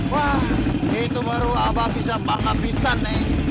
wah itu baru abah bisa bangga bisa neng